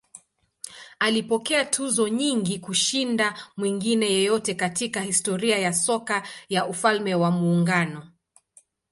Alipokea tuzo nyingi kushinda mwingine yeyote katika historia ya soka ya Ufalme wa Muungano.